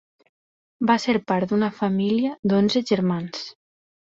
Va ser part d'una família d'onze germans.